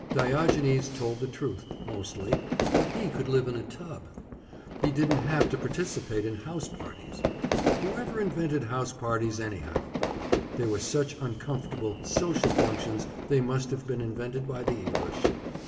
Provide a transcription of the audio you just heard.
Diogenes told the truth, mostly, but he could live in a tub. He didn't have to participate in house parties. Whoever invented house parties, anyhow? They were such uncomfortable "social functions" they must have been invented by the English.